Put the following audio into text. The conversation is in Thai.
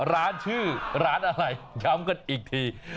ร้านชื่อร้านอะไรย้ำกันอีกที